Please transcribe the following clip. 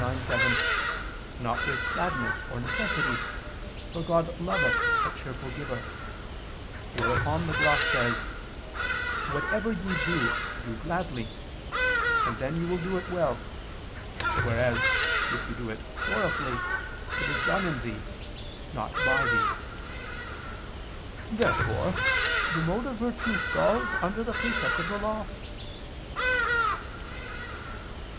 9:7): "Not with sadness or necessity: for God loveth a cheerful giver"; whereupon the gloss says: "Whatever ye do, do gladly; and then you will do it well; whereas if you do it sorrowfully, it is done in thee, not by thee." Therefore the mode of virtue falls under the precept of the law.